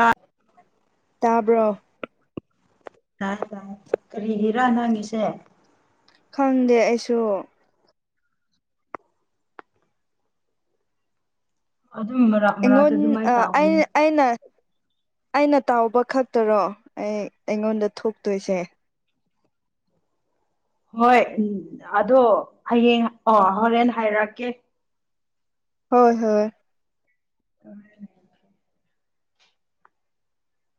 ꯑꯥ ꯇꯥꯕ꯭ꯔꯣ ꯇꯥꯏ ꯀꯔꯤꯒꯤꯔꯥ ꯅꯪꯒꯤꯁꯦ ꯈꯪꯗꯦ ꯑꯩꯁꯨ ꯑꯗꯨꯝꯕ ꯑꯩꯉꯣꯟ ꯑꯥ ꯑꯩ ꯑꯩꯅ ꯑꯩꯅ ꯇꯥꯎꯕ ꯈꯛꯇꯔꯣ ꯑꯩ ꯑꯩꯉꯣꯟꯗ ꯊꯣꯛꯇꯣꯏꯁꯦ ꯍꯣꯏ ꯎꯝ ꯑꯗꯣ ꯍꯌꯦꯡ ꯑꯣ ꯍꯣꯔꯦꯟ ꯍꯥꯏꯔꯛꯀꯦ ꯍꯣꯏ ꯍꯣꯏ [unintelligible]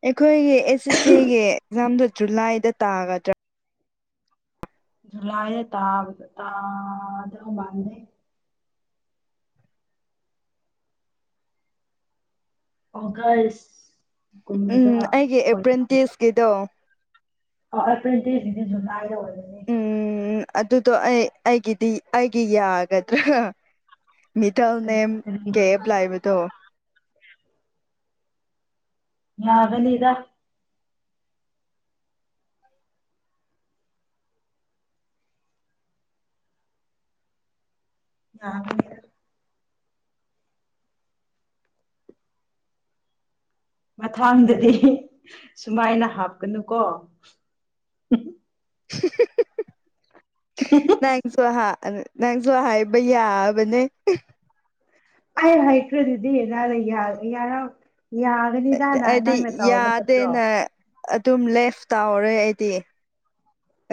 ꯑꯩꯈꯣꯏꯒꯤ ꯑꯦꯁ ꯑꯦꯁ ꯁꯤꯒꯤ ꯑꯦꯛꯖꯥꯝꯗꯣ ꯖꯨꯂꯥꯏꯗ ꯇꯥꯒꯗ꯭ꯔꯥ ꯖꯨꯂꯥꯏꯗ ꯇꯥꯕ ꯇꯥꯗꯧ ꯃꯟꯗꯦ ꯑꯣꯒꯁ ꯎꯝ ꯒꯨꯝꯕꯗ ꯑꯩꯒꯤ ꯑꯣꯏ ꯑꯦꯄ꯭꯭ꯔꯦꯟ ꯇꯤꯁꯀꯤꯗꯣ ꯑꯣ ꯑꯦꯄ꯭ꯔꯤꯇꯤꯁ ꯀꯤꯗꯤ ꯖꯨꯂꯥꯏꯗ ꯑꯣꯏꯕꯅꯦ ꯎꯝ ꯑꯗꯨꯗꯣ ꯑꯩ ꯑꯩꯒꯤꯗꯤ ꯑꯩꯒꯤ ꯌꯥꯒꯗ꯭ꯔꯥ ꯃꯤꯗꯜ ꯅꯦꯝ ꯀꯔꯤ ꯀꯦꯕ ꯂꯥꯛꯏꯕꯗꯣ ꯌꯥꯒꯅꯤꯗ ꯌꯥꯒꯅꯤ ꯃꯊꯪꯗꯗꯤ ꯁꯨꯃꯥꯏꯅ ꯍꯥꯞꯀꯅꯨꯀꯣ ꯅꯪꯁꯨ ꯍꯥ ꯅꯪꯁꯨ ꯍꯥꯏꯕ ꯌꯥꯕꯅꯦ ꯑꯩ ꯍꯩꯈ꯭ꯔꯗꯨꯗꯤ ꯅꯪꯅ ꯌꯥ ꯌꯥꯔꯛꯑꯣꯏ ꯌꯥꯒꯅꯤꯗꯅ ꯑꯩꯗꯤ ꯅꯪꯅ ꯇꯧꯕ ꯅꯠꯇ꯭ꯔꯣ ꯌꯥꯗꯦꯅ ꯑꯗꯨꯝ ꯂꯦꯐ ꯇꯧꯔꯦ ꯑꯩꯗꯤ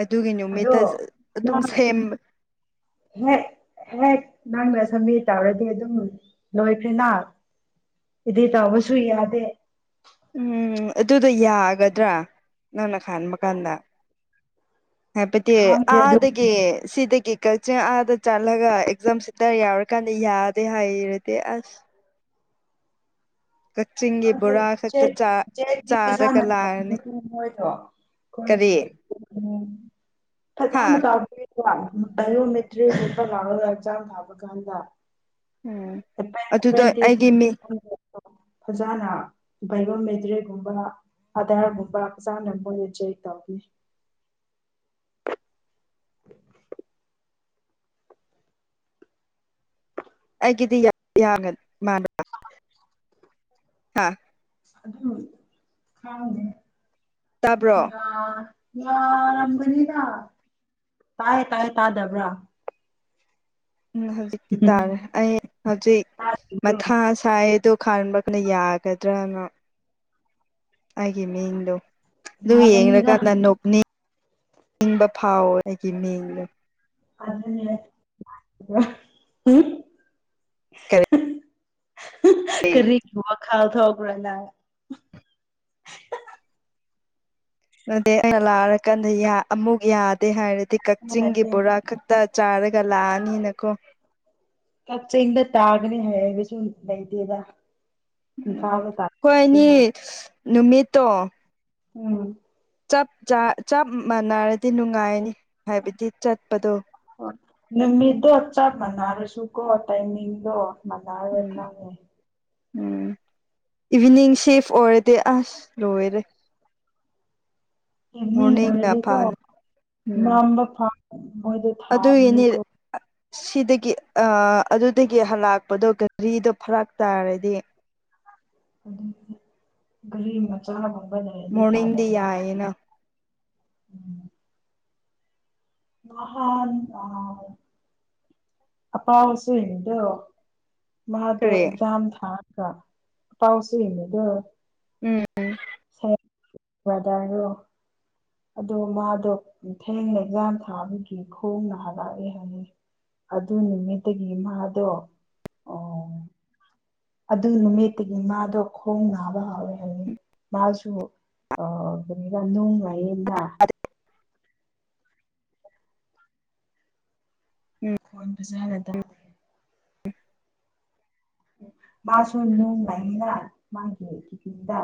ꯑꯗꯨꯒꯤ ꯑꯗꯣ ꯅꯨꯃꯤꯠꯇ ꯑꯗꯨꯝ ꯅꯪ ꯁꯦꯝ [unintelligible] ꯍꯦꯛ ꯅꯪꯅ ꯁꯝꯃꯤꯠ ꯇꯧꯔꯗꯤ ꯑꯗꯨꯝ ꯂꯣꯏꯈ꯭ꯔꯦꯅ ꯏꯗꯤꯠ ꯇꯧꯕꯁꯨ ꯌꯥꯗꯦ ꯎꯝ ꯑꯗꯨꯗꯣ ꯌꯥꯒꯗ꯭ꯔꯥ ꯅꯪꯅ ꯈꯟꯕ ꯀꯥꯟꯗ ꯍꯥꯞꯄꯇꯤ ꯈꯪꯗꯦ ꯑꯗꯨ ꯑꯥꯗꯒꯤ ꯁꯤꯗꯒꯤ ꯀꯆꯤꯡ ꯑꯥꯗ ꯆꯠꯂꯒ ꯑꯦꯛꯖꯥꯝ ꯁꯤꯠꯇꯔ ꯌꯥꯎꯔꯀꯥꯟꯗ ꯌꯥꯗꯦ ꯍꯥꯏꯔꯗꯤ ꯑꯁ [unintelligible] ꯀꯛꯆꯤꯡꯒꯤ ꯕꯣꯔꯥ ꯑꯩꯈꯣꯏꯒꯤ ꯈꯛꯇ ꯆꯥ ꯆꯥꯔꯒ ꯎꯝ ꯐꯖꯅ ꯇꯥꯎꯕꯤ ꯂꯥꯛꯑꯅꯤ ꯀꯔꯤ ꯍꯥ [unintelligible] ꯕꯥꯏꯑꯣꯃꯦꯇ꯭ꯔꯤꯛꯒꯨꯝꯕ ꯂꯥꯛꯑꯀꯥꯟꯗ ꯑꯦꯛꯖꯥꯝ ꯊꯥꯕꯀꯥꯟꯗ ꯎꯝ ꯑꯗꯨꯗꯣ ꯑꯩꯒꯤ ꯃꯤꯡ ꯃꯣꯏꯅ ꯐꯖꯅ ꯕꯥꯏꯑꯣꯃꯦꯇ꯭ꯔꯤꯛꯒꯨꯝꯕ ꯑꯗꯔꯒꯨꯝꯕ ꯐꯖꯅ ꯕꯣꯂꯨꯇꯔꯤ ꯇꯧꯕꯤ ꯑꯩꯒꯤꯗꯤ ꯌꯥꯒꯗꯕ ꯃꯥꯟꯕ꯭ꯔ ꯍꯥ ꯑꯗꯨ ꯈꯪꯗꯦ ꯇꯥꯕ꯭ꯔꯣ ꯌꯥ ꯌꯥꯔꯝꯒꯅꯤꯗ ꯇꯥꯏꯌꯦ ꯇꯥꯏꯌꯦ ꯇꯥꯗꯕ꯭ꯔꯥ ꯎꯝ ꯍꯧꯖꯤꯛꯇꯤ ꯇꯥꯔꯦ ꯑꯩ ꯍꯧꯖꯤꯛ ꯇꯥꯗꯕ꯭ꯔꯣ ꯃꯊꯥ ꯁꯥꯏꯌꯦꯗꯣ ꯈꯟꯕ‌‌ [unintelligible] ꯌꯥꯒꯗ꯭ꯔꯥꯅ ꯑꯩꯒꯤ ꯃꯤꯌꯦꯡꯗꯣ ꯑꯗꯨ ꯌꯥꯒꯅꯤꯗ ꯌꯦꯡꯂꯀꯥꯟꯗ ꯅꯣꯛꯅꯤꯡ ꯅꯤꯡꯕ ꯐꯥꯎꯋꯦ ꯑꯩꯒꯤ ꯃꯤꯌꯦꯡꯗꯣ [unintelligible] ꯀ [unintelligible] ꯀꯔꯤꯒꯤ ꯋꯥꯈꯜ ꯊꯣꯛꯄ꯭ꯔꯥ‌ ꯅꯪ ꯑꯗꯨꯗ ꯑꯩꯅ ꯂꯥꯛꯔꯀꯥꯟꯗ ꯑꯃꯨꯛ ꯌꯥꯗꯦ ꯍꯥꯏꯔꯗꯤ ꯀꯛꯆꯤꯡꯒꯤ ꯅꯠꯇꯦ ꯕꯣꯔꯥ ꯈꯛ ꯇ ꯆꯥꯔꯒ ꯂꯥꯛꯑꯅꯤꯅꯀꯣ ꯀꯛꯆꯤꯡꯗ ꯇꯥꯒꯅꯤ ꯍꯥꯏꯔꯕꯁꯨ ꯂꯩꯇꯦꯗ ꯎꯝ ꯏꯝꯐꯥꯜꯗ ꯇꯥ ꯈꯣꯏꯅꯤ ꯅꯨꯃꯤꯠꯇꯣ ꯎꯝ ꯆꯞ ꯆ ꯆꯞ ꯃꯥꯟꯅꯔꯗꯤ ꯅꯨꯡꯉꯥꯏꯅꯤ ꯍꯥꯏꯕꯗꯤ ꯆꯠꯄꯗꯣ ꯅꯒꯤꯗꯣ ꯆꯞ ꯃꯅꯔꯦꯁꯨꯨ ꯀꯣ ꯇꯥꯏꯃꯤꯡꯗꯣ ꯃꯅꯥꯔꯦꯏ ꯎꯝ ꯈꯪꯉꯦ ꯎꯝ ꯏꯚꯤꯅꯤꯡ ꯁꯤꯐ ꯑꯣꯏꯔꯗꯤ ꯑꯁ ꯂꯣꯏꯔꯦ ꯏꯚꯅꯤꯡ ꯃꯣꯔꯅꯤꯡꯅ ꯑꯣꯏꯔꯗꯤꯀꯣ ꯐꯥꯅꯤ ꯅꯝꯕ ꯐ ꯃꯣꯏꯗ ꯑꯗꯨ ꯌꯤꯅꯤ ꯁꯤꯗꯒꯤ ꯑ ꯑꯗꯨꯗꯒꯤ ꯍꯜꯂꯛꯄꯗꯣ ꯒꯥꯔꯤꯗꯣ ꯐꯔꯥꯛ ꯇꯥꯔꯗꯤ ꯑꯗꯨ ꯒꯔꯤ ꯃꯆꯥꯒꯨꯝꯕ ꯂꯩꯔꯗꯤ ꯃꯣꯔꯅꯤꯡꯗꯤ ꯐꯗꯕ ꯌꯥꯏꯌꯦꯅ ꯎꯝ ꯑ [inaudible] ꯑꯄꯥꯎꯁꯨ ꯌꯦꯉꯗꯣ ꯃꯥꯗꯣ ꯀꯔꯤ ꯑꯦꯛꯖꯥꯝ ꯊꯥ ꯒ [inaudible] ꯎꯝꯝ ꯋꯥꯔꯣ [unintelligible] ꯑꯗꯣ ꯃꯥꯗꯣ ꯊꯦꯡꯅ ꯑꯦꯛꯖꯥꯝ ꯊꯥꯕꯒꯤ ꯈꯣꯡꯅ ꯍꯂꯛꯑꯦ ꯍꯥꯏꯕꯅꯦ ꯑꯗꯨ ꯅꯨꯃꯤꯠꯇꯒꯤ ꯃꯥꯗꯣ ꯑꯣ ꯑꯗꯨ ꯅꯨꯃꯤꯠꯇꯒꯤ ꯃꯥꯗꯣ ꯈꯣꯡ ꯅꯥꯕ ꯍꯧꯔꯦ ꯍꯥꯏꯕꯅꯤ ꯃꯥꯁꯨ ꯑ ꯀꯔꯤꯒ ꯅꯨꯡ ꯂꯥꯌꯦꯗꯅ ꯎꯝ ꯅꯈꯣꯟ ꯐꯖꯅ ꯇꯥꯗꯔꯦ ꯃꯥꯁꯨ ꯅꯨꯡ ꯂꯩꯥꯏꯅꯤꯅ ꯃꯥꯒꯤ ꯀꯤꯠꯅꯤꯗ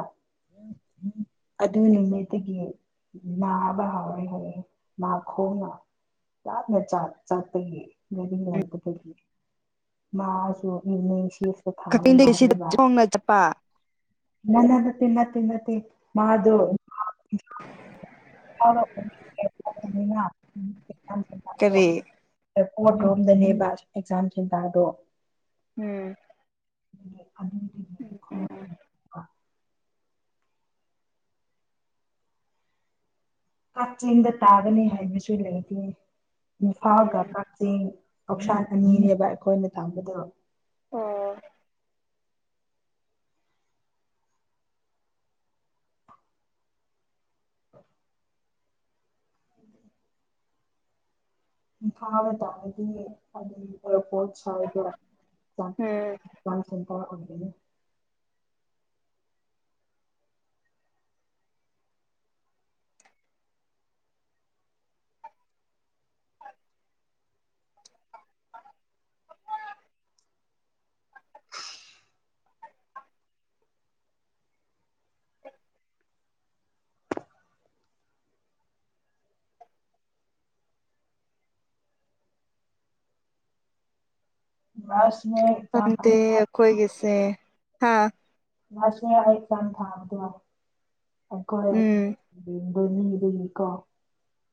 ꯑꯗꯨ ꯅꯨꯃꯤꯠꯇꯒꯤ ꯅꯥꯕ [unintelligible] [unintelligible] ꯃꯥꯁꯨ ꯏꯅꯦꯁ ꯀꯛꯆꯤꯡꯗꯒꯤ ꯁꯤꯗ ꯊꯣꯡꯅꯒ ꯆꯠꯄ [unintelligible] ꯅꯠꯇꯦ ꯅꯠꯇꯦ ꯅꯠꯇꯦ ꯃꯥꯗꯨ ꯀꯔꯤ [inaudible] [unintelligible] ꯔꯣꯝꯗꯅꯦꯕ ꯑꯦꯛꯖꯥꯝ ꯁꯦꯟꯇꯔꯗꯣ ꯎꯝ [unintelligible] ꯎꯝ ꯎꯝ ꯀꯛꯆꯤꯡꯗ ꯇꯥꯒꯅꯤ ꯍꯥꯏꯕꯁꯨ ꯂꯩꯇꯦ ꯅꯏꯝꯐꯤꯜꯒ ꯎꯝ ꯀ ꯆꯦꯡ ꯂꯧꯁꯥꯟ ꯑꯅꯤꯅꯦꯕ ꯑꯩꯈꯣꯏꯅ ꯇꯥꯝꯕꯗꯣ ꯑꯣ ꯏꯝꯐꯥꯜꯗ ꯇꯥꯔꯗꯤꯅꯦ ꯑꯦꯔꯄꯣꯔꯠ ꯁꯥꯏꯗꯇꯣ ꯎꯝ [unintelligible] ꯑꯣꯏꯗꯨꯏꯅꯦ ꯃꯁ ꯈꯪꯗꯦ ꯑꯩꯈꯣꯏꯒꯤꯁꯦ ꯍꯥꯥ ꯃꯥꯁꯨ ꯑꯦꯛꯖꯥꯝ ꯊꯥꯕꯗꯣ ꯑꯩꯈꯣꯏꯒꯤ ꯎꯝ [unintelligible]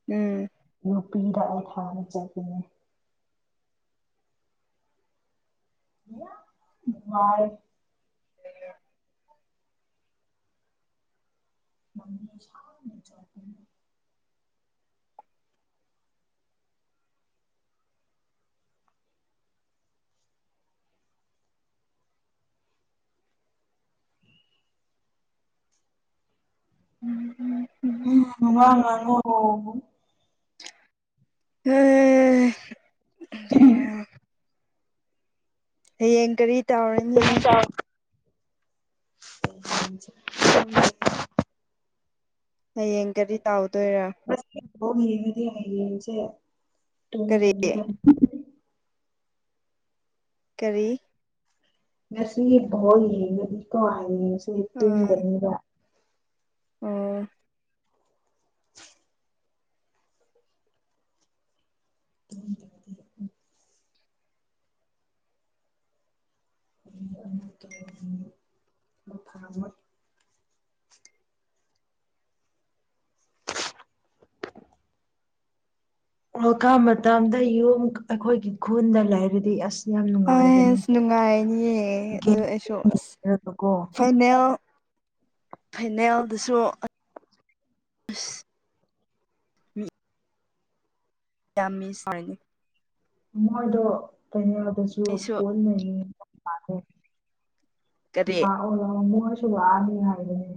ꯎꯝ ꯅꯨꯄꯤꯗ ꯑꯩ ꯊꯥꯅ ꯆꯠꯈꯤꯅꯦ [unintelligible] [inaudible] ꯆꯠꯄꯅꯦ ꯎꯝ ꯎꯝ [unintelligible] ꯋꯥ ꯉꯥꯡꯉꯣ ꯎꯝ ꯎꯝ ꯍꯌꯦꯡ ꯀꯔꯤ ꯇꯧꯔꯅꯤ ꯍꯌꯦꯡꯁꯦ ꯍꯌꯦꯡ ꯒꯔꯤ ꯇꯥꯎꯗꯣꯏꯔꯥ ꯉꯥꯁꯤ ꯕꯣꯜ ꯌꯦꯡꯉꯗꯤ ꯍꯌꯦꯡꯁꯦ ꯀꯔꯤ ꯇꯣꯡꯉꯒꯅꯤꯗ ꯀꯔꯤ ꯉꯁꯤ ꯕꯣꯜ ꯌꯦꯡ ꯉꯥꯗꯤꯀꯣ ꯍꯥꯌꯦꯡꯁꯦ ꯑꯥ ꯇꯨꯝꯒꯅꯤꯕ ꯑꯣ [inaudible] ꯎ ꯃꯊꯥ [unintelligible] ꯑꯣꯔꯂꯗꯀꯞ ꯃꯇꯝꯗ ꯌꯨꯝ ꯑꯩꯈꯣꯏꯒꯤ ꯈꯨꯟꯗ ꯂꯩꯔꯗꯤ ꯑꯁ ꯌꯥꯝ ꯅꯨꯡꯉꯥꯏꯕꯅꯤ ꯑꯁ ꯅꯨꯡꯉꯥꯏꯅꯤꯌꯦ ꯑꯗꯨ ꯒꯦꯝ ꯑꯁꯁ ꯔꯒꯀꯣ ꯐꯥꯏꯅꯦꯜ ꯐꯥꯏꯅꯦꯜꯗꯨꯁꯨ ꯃꯤ ꯌꯥꯝꯃꯤ ꯁꯔꯤꯅꯦ ꯃꯣꯏꯗꯣ ꯀꯩꯅꯣꯗꯁꯨ ꯑꯩꯁꯨ ꯄꯣꯜ [unintelligible] ꯂꯩꯅꯤ ꯀꯔꯤ ꯂꯛ ꯂꯥꯎ ꯃꯣꯏꯁꯨ ꯂꯛꯑꯅꯤ ꯍꯥꯏꯕꯅꯦ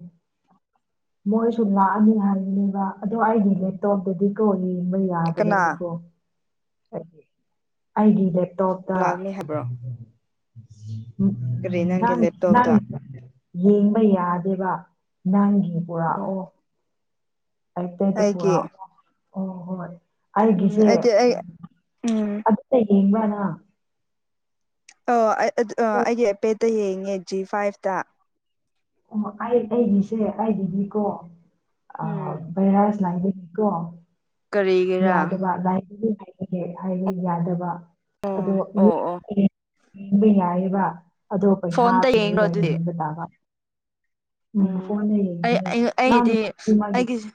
ꯃꯣꯏꯁꯨ ꯂꯥꯛꯑꯅꯤ ꯍꯥꯏꯅꯦꯕ ꯑꯗꯣ ꯑꯩꯗꯤ ꯂꯦꯞꯇꯣꯞꯇꯗꯤꯀꯣ ꯌꯦꯡꯕ ꯌꯥꯗꯕꯅꯤ ꯀꯅꯥ ꯀꯣ ꯑꯩꯒꯤ ꯂꯦꯞꯇꯣꯞꯇ ꯂꯥꯛꯅꯤ ꯍꯥꯏꯕ꯭ꯔꯣ ꯀꯔꯤ ꯅꯪꯒꯤ ꯅꯪ ꯅꯪ ꯂꯦꯞꯇꯣꯞꯇ ꯌꯦꯡꯕ ꯌꯥꯗꯦꯕ ꯅꯪꯒꯤ ꯄꯨꯔꯛꯑꯣ ꯑꯩꯇ [unintelligible] ꯑꯩꯒꯤ ꯄꯨꯔꯣꯑꯣ ꯑꯣ ꯍꯣꯏ ꯎꯝ ꯑꯩꯒꯤꯁꯦ ꯑꯩꯗꯤ ꯑꯩ ꯎꯝ ꯑꯗꯨꯗ ꯌꯦꯡꯕ꯭ꯔꯅ ꯑ ꯑꯩꯒꯤ ꯑꯦꯄꯦꯠꯇ ꯌꯦꯡꯉꯦ ꯖꯤ ꯐꯥꯏꯚꯇ ꯑꯣ ꯑꯩ ꯑꯩꯒꯤꯁꯦ ꯑꯩꯒꯤꯗꯤꯀꯣ ꯑ ꯎꯝ [unintelligible] ꯂꯥꯏꯕꯅꯤꯀꯣ ꯀꯔꯤꯒꯤꯔꯥ ꯌꯥꯗꯕ ꯂꯥꯏ [inaudible] ꯍꯥꯏꯗꯤ ꯌꯥꯗꯕ ꯑꯗꯣ ꯑꯣ ꯑꯣ ꯑꯣ ꯌꯦꯕ [inaudible] ꯌꯥꯏꯌꯦꯕ ꯑꯗꯣ ꯄꯩꯁꯥ ꯐꯣꯟꯗ ꯌꯦꯡꯈ꯭ꯔꯣ ꯄꯤꯔꯒ ꯑꯗꯨꯗꯤ ꯌꯦꯡꯕ ꯇꯥꯕ ꯎꯝ ꯐꯣꯟꯅꯦ ꯑꯩ ꯑꯩꯗꯤ ꯑꯩꯒꯤꯁꯦ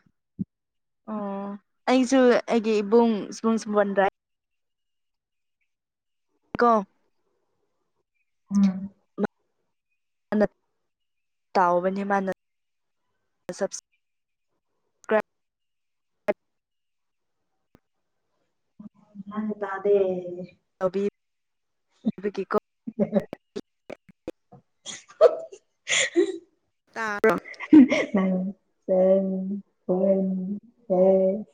ꯑꯣ ꯑꯩꯁꯨ ꯑꯩꯒꯤ ꯏꯕꯨꯡ ꯁꯕꯨꯡ ꯁꯨꯕꯣꯟꯗ꯭ꯔꯥꯏ ꯀꯣ ꯎꯝ ꯃꯥꯅ ꯇꯥꯎꯕꯅꯦ ꯃꯅꯥ ꯒꯌ꯭ꯥꯟ ꯇꯗꯦ ꯇꯧꯕꯤ ꯕꯒꯤꯀꯣ [unintelligible] [inaudible] ꯇꯥꯕꯔꯣ꯫ ꯅꯪ [unintelligible]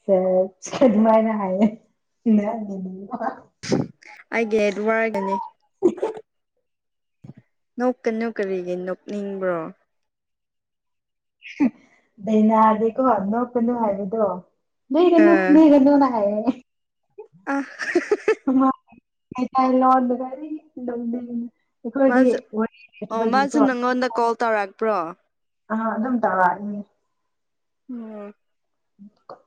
ꯁꯨꯃꯥꯏꯅꯥ ꯍꯥꯌꯦ ꯏ ꯑꯗꯨ [unintelligible] ꯑꯩꯒꯤ ꯋꯥꯔꯒꯅꯤ ꯅꯣꯛꯀꯅꯨ ꯀꯔꯤꯒꯤ ꯅꯣꯛꯅꯤꯡꯕ꯭ꯔꯣ ꯗꯩꯅꯗꯤꯀꯣ ꯅꯣꯛꯀꯅꯨ ꯍꯥꯏꯕꯗꯣ ꯅꯣꯏꯒꯅꯨ ꯑꯥ ꯅꯣꯏꯒꯅꯨꯅ ꯍꯥꯏꯌꯦ [inaudible] ꯑ [unintelligible] ꯃꯥꯁꯨ ꯋꯥꯔꯤ ꯑꯣ ꯃꯥꯁꯨ ꯂꯩꯇꯕꯒꯤꯀꯣ ꯅꯪꯉꯣꯟꯗ ꯀꯣꯜ ꯇꯧꯔꯛꯄ꯭ꯔꯣ ꯑ ꯑꯗꯨꯝ ꯇꯧꯔ‌ ꯏꯅꯤ ꯎꯝ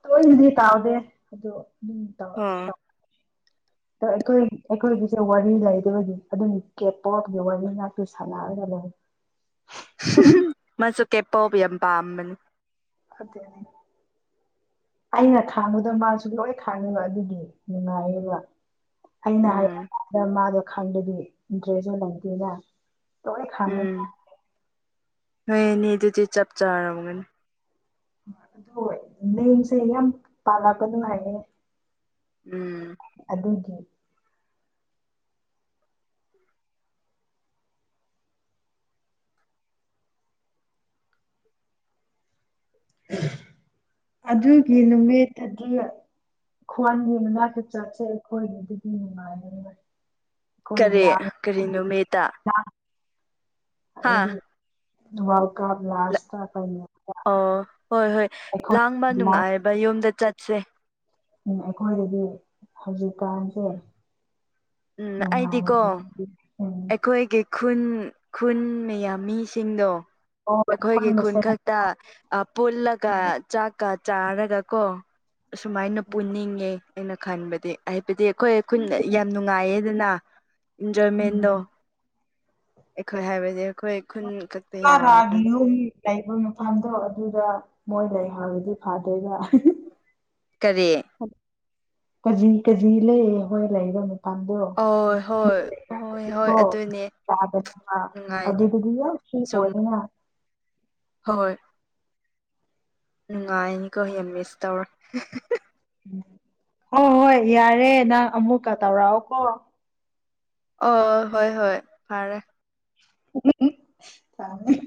ꯇ‌ꯣꯏꯅꯗꯤ ꯇꯥꯎꯗꯦ ꯑꯗꯣ ꯎꯝ [unintelligible] [inaudible] ꯑꯗꯣ ꯑꯩꯈꯣꯏ ꯑꯩꯈꯣꯏꯒꯤꯁꯨ ꯋꯥꯔꯤ ꯂꯩꯇꯕꯒꯤ ꯑꯗꯨꯝ ꯀꯦꯄ‌ꯣꯞꯀꯤ ꯋꯥꯔꯤ ꯉꯥꯇ ꯁꯥꯟꯅꯔꯒ ꯂꯩ ꯃꯥꯁꯨ ꯀꯦꯄꯣꯕ ꯌꯥꯝ ꯄꯥꯝꯕꯅꯤ [unintelligible] ꯑꯩꯅ ꯈꯥꯡꯕꯗ‌ꯣ ꯃꯥꯁꯨ ꯂꯣꯏ ꯈꯥꯡꯉꯦꯕ ꯑꯗꯨꯒꯤ ꯅꯨꯡꯉꯥꯏꯌꯦꯕ ꯑꯩꯅ ꯍꯥꯏ ꯎꯝ [inaudible] ꯗ ꯃꯥꯗꯣ ꯈꯪꯗꯔꯗꯤ ꯏꯟꯇꯔꯦꯁꯁꯨ ꯂꯩꯇꯦꯅ ꯂꯣꯏ ꯈꯥꯡꯉꯦ ꯎꯝ ꯅ‌ꯣꯏ ꯑꯅꯤꯗꯨꯗꯤ ꯆꯞ ꯆꯥꯔꯝꯒꯅꯤ ꯑꯗꯣ [unintelligible] ꯌꯥꯝ ꯇꯥꯜꯂꯛꯀꯅꯨ ꯍꯥꯏꯌ‌ꯦ ꯎꯝ ꯑꯗꯨꯒꯤ ꯑꯗꯨꯒꯤ ꯅꯨꯃꯤꯠ ꯇꯗꯤ ꯈꯣꯟꯒꯤ ꯃꯅꯥꯛꯇ ꯆꯠꯆꯩ ꯑꯩꯈꯣꯏꯒꯤ ꯑꯗꯨꯗꯤ ꯅꯨꯡꯉꯥꯏꯕꯅ‌ꯦ ꯀꯔꯤ ꯀꯔꯤ ꯅꯨꯃꯤꯠꯇ ꯂꯥꯝ ꯍꯥ ꯑꯩꯗꯤ ꯋꯥꯔꯜ ꯀꯞ ꯂꯥꯁꯇ ꯇꯧꯅꯤ ꯑꯣ ꯍꯣꯏ ꯍꯣꯏ ꯂꯥꯡꯕ ꯂꯥꯟ ꯅꯨꯡꯉꯥꯏꯕ ꯌꯨꯝꯗ ꯆꯠꯁꯦ ꯎꯝ ꯑꯩꯈꯣꯏꯗꯗꯤ ꯍꯧꯖꯤꯛꯀꯥꯟꯁꯦ ꯎꯝ ꯑꯩꯗꯤꯀꯣ ꯅꯨꯡꯉꯥꯏ [unintelligible] ꯑꯩꯈꯣꯏꯒꯤ ꯈꯨꯟ ꯈꯨꯟ ꯃꯌꯥꯝ ꯃꯤꯁꯤꯡꯗꯣ ꯑꯣ ꯑꯩꯈꯣꯏ ꯑꯩꯈꯣꯏꯒꯤ ꯈꯨꯟ ꯃꯁꯦꯟ ꯈꯛ ꯇ ꯄꯨꯜꯂꯒ ꯆꯥꯛꯀ ꯆꯥꯔꯒ ꯀꯣ ꯑꯁꯨꯃꯥꯏꯅ ꯄꯨꯟꯅꯤꯡꯉꯦ ꯑꯩꯅ ꯈꯟꯕꯗꯤ ꯍꯥꯏꯕꯗꯤ ꯑꯩꯈꯣꯏ ꯈꯨꯟ ꯌꯥꯝ ꯅꯨꯡꯉꯥꯏꯌꯦꯗꯅ ꯏꯟꯖꯣꯏꯃꯦꯟ ꯎꯝ ꯑꯩꯈꯣꯏ ꯍꯥꯏꯕꯗꯤ ꯑꯩꯈꯣꯏ ꯈꯨꯟ ꯈꯛꯇ ꯔꯥ ꯌꯥꯎꯔꯒ ꯔꯥꯒꯤ ꯌꯨꯝ ꯂꯩꯕ ꯃꯐꯝꯗꯣ ꯑꯗꯨꯗ ꯃꯣꯏ ꯂꯩ ꯍꯥꯏꯕꯗꯤ ꯐꯗꯣꯏꯕ ꯀꯔꯤ ꯀꯖꯤ ꯀꯖꯤ ꯂꯩ ꯍꯣꯏ ꯂꯩꯕꯅꯤ ꯍ‌ꯣꯏ ꯍꯣꯏ ꯍꯣꯏ ꯍꯣꯏ ꯑꯗꯨꯅꯤ ꯌꯥ [unintelligible] ꯑꯗꯨꯗꯒꯤ ꯐ꯭ꯔꯤ ꯁꯨꯝ ꯑꯣꯏꯔ‌ꯦꯅ ꯍꯣꯏ ꯅꯨꯡꯉꯥꯏꯅꯤꯀꯣ ꯌꯥꯝ ꯃꯤꯁ ꯇꯧꯔ ꯎꯝ ꯍꯣꯏ ꯍꯣꯏ ꯌꯥꯔꯦ ꯅꯪ ꯑꯃꯨꯛꯀ ꯇꯧꯔꯛꯑꯣꯀꯣ ꯑꯣ ꯍꯣꯏ ꯍꯣꯏ ꯐꯔꯦ ꯊꯥꯝ [unintelligible]